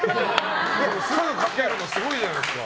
すぐ書けるのすごいじゃないですか。